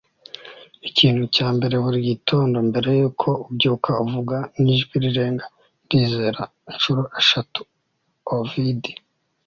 ikintu cya mbere buri gitondo mbere yuko ubyuka vuga n'ijwi rirenga, 'ndizera,' inshuro eshatu. - ovid